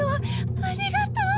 ありがとう。